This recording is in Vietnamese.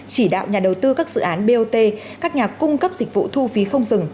chỉ đạo nhà đầu tư các dự án bot các nhà cung cấp dịch vụ thu phí không dừng